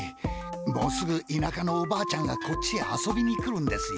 もうすぐいなかのおばあちゃんがこっちへ遊びに来るんですよ。